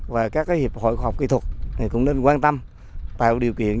và các hiệp hội khoa học kỹ thuật cũng nên quan tâm tạo điều kiện